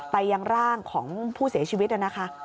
ไปยังร่างของผู้เสียชีวิตนะคะ